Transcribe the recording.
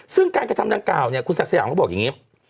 ซึ่งการกระทำดังกล่าวเนี่ยคุณศักดิ์สยามก็บอกอย่างนี้